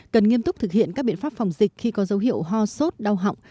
cần nghiêm túc thực hiện các biện pháp phòng dịch khi có dấu hiệu ho sốt đau họng